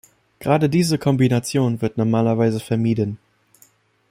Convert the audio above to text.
Gerade diese Kombination wird normalerweise vermieden.